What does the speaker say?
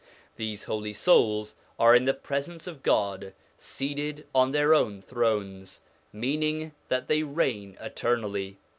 These holy souls are in the presence of God seated on their own thrones : meaning that they reign eternally.